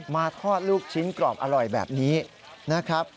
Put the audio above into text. มาทอดลูกชิ้นกรอบอร่อยแบบนี้นะครับ